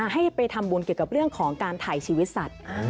ให้ไปทำบุญเกี่ยวกับเรื่องของการถ่ายชีวิตสัตว์